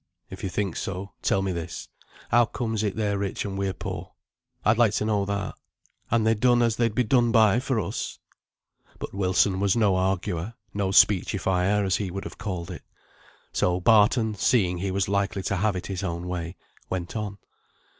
"If you think so, tell me this. How comes it they're rich, and we're poor? I'd like to know that. Han they done as they'd be done by for us?" But Wilson was no arguer; no speechifier as he would have called it. So Barton, seeing he was likely to have it his own way, went on.